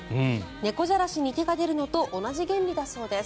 猫じゃらしに手が出るのと同じ原理だそうです。